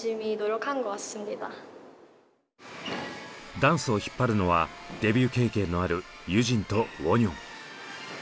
ダンスを引っ張るのはデビュー経験のあるユジンとウォニョン。